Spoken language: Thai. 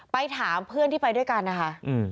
ไปถามเพื่อนที่ไปด้วยกันนะคะ